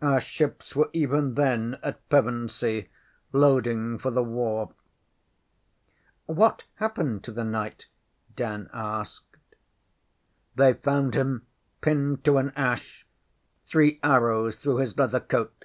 Our ships were even then at Pevensey loading for the war. ŌĆÖ ŌĆśWhat happened to the knight? ŌĆÖ Dan asked. ŌĆśThey found him pinned to an ash, three arrows through his leather coat.